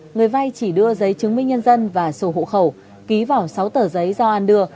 người vay chỉ đưa giấy chứng minh nhân dân và sổ hộ khẩu ký vào sáu tờ giấy do an đưa